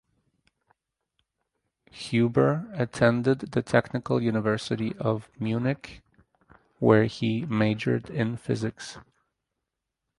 Huber attended the Technical University of Munich where he majored in physics.